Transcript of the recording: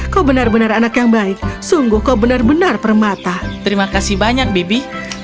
kau benar benar anak yang baik sungguh kau benar benar permata terima kasih banyak bibi